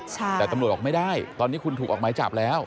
แต่ตำรวจบอกไม่ได้ตอนนี้คุณถูกออกหมายจับแล้ว